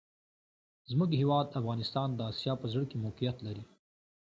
زموږ هېواد افغانستان د آسیا په زړه کي موقیعت لري.